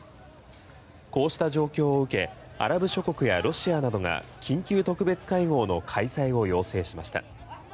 こうした状況を受けアラブ諸国やロシアなどが緊急特別会合の開催を要請しました。